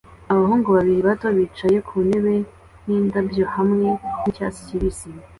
Abahungu babiri bato bicaye ku ntebe n'indabyo hamwe nicyatsi kibisi